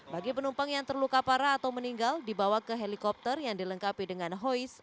bagi penumpang yang terluka parah atau meninggal dibawa ke helikopter yang dilengkapi dengan hois